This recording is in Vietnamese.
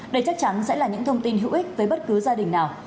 đây chắc chắn sẽ là những thông tin hữu ích với bất cứ gia đình nào